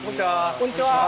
こんにちは。